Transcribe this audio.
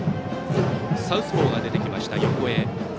サウスポーが出てきました横江。